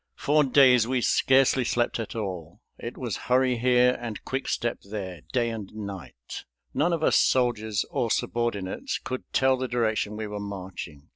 For days we scarcely slept at all; it was hurry here and quickstep there, day or night. None of us soldiers or subordinates could tell the direction we were marching.